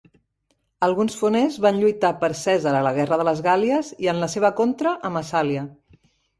Alguns foners van lluitar per Cèsar a la Guerra de les Gàl·lies, i en la seva contra a Massàlia.